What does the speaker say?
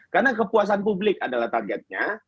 karena kepuasan publik adalah targetnya